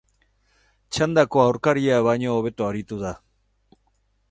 Txandako aurkariak baino hobeto aritu da.